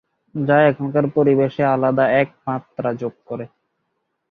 যা এখানকার পরিবেশে আলাদা এক মাত্রা যোগ করে।